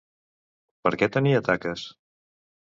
Per què tenia taques?